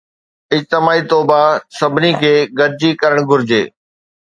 اجتماعي توبه سڀني کي گڏجي ڪرڻ گهرجي